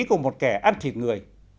của một kẻ ăn thịt người